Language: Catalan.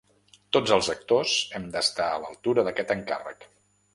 Tots els actors hem d'estar a l'altura d'aquest encàrrec.